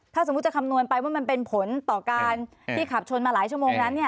ถ้าสมมุติจะคำนวณไปว่ามันเป็นผลต่อการที่ขับชนมาหลายชั่วโมงนั้น